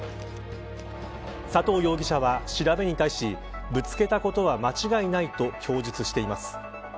佐藤容疑者は調べに対しぶつけたことは間違いないと供述しています。